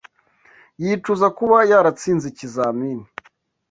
Yicuza kuba yaratsinze ikizamini.